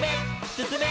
すすめ！